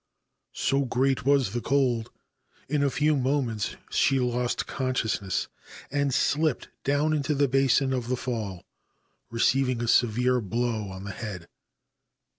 So great was the cold, in a few moments she lost consciousness, and slipped down into the basin of the fall, receiving a severe blow on the head.